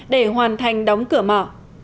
để hoàn thành đóng cửa mỏ